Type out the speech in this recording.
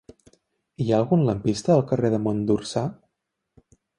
Hi ha algun lampista al carrer de Mont d'Orsà?